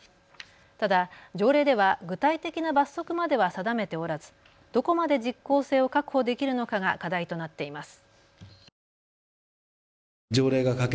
ただ、条例では具体的な罰則までは定めておらず、どこまで実効性を確保できるのかが課題となっています。